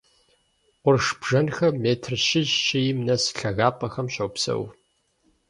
Къурш бжэнхэр метр щищ-щийм нэс лъагапӀэхэм щопсэу.